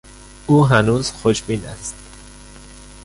او هنوز خوشبین است.